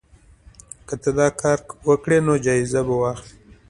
که ته دا کار وکړې نو جایزه به واخلې.